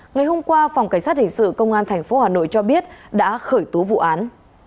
ngày hôm qua phòng cảnh sát hình sự công an tp hà nội cho biết đã khởi tố vụ án